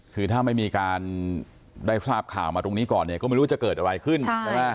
คือถ้าไม่มีการได้ทราบข่าวมาตรงนี้ก่อนเนี่ยก็ไม่รู้จะเกิดอะไรขึ้นใช่ไหม